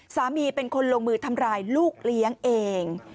เป็นคนลงมือทำร้ายลูกเลี้ยงเอง